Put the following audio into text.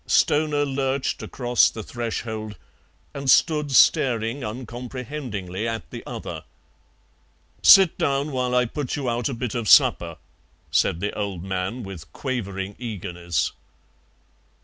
Stoner lurched across the threshold and stood staring uncomprehendingly at the other. "Sit down while I put you out a bit of supper," said the old man with quavering eagerness.